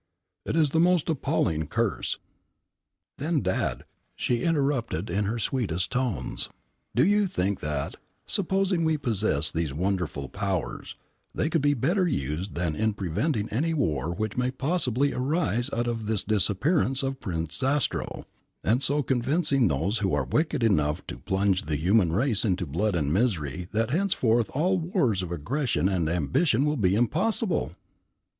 It is the most appalling curse " "Then, Dad," she interrupted in her sweetest tones, "do you think that, supposing we possess these wonderful powers, they could be better used than in preventing any war which may possibly arise out of this disappearance of Prince Zastrow, and so convincing those who are wicked enough to plunge the human race into blood and misery that henceforth all wars of aggression and ambition will be impossible?"